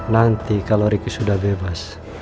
nanti kalau riki sudah bebas